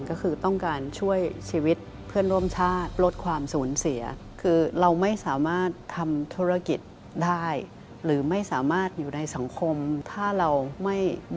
ก็คือต้องการช่วยชีวิตเพื่อนร่วมชาติ